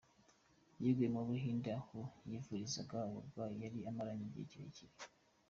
Yaguye mu Buhinde aho yivurizaga uburwayi yari amaranye igihe kirekire.